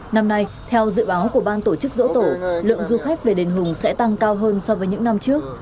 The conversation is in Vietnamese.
năm nay theo dự báo của ban tổ chức dỗ tổ lượng du khách về đền hùng sẽ tăng cao hơn so với những năm trước